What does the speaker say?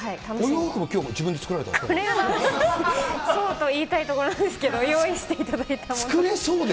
お洋服も自分で作られたんでそうといいたいところなんですけど、用意していただいたもので。